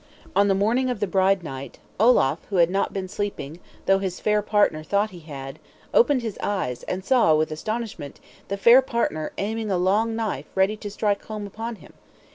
On the morning of the bride night, Olaf, who had not been sleeping, though his fair partner thought he had, opened his eyes, and saw, with astonishment, the fair partner aiming a long knife ready to strike home upon him!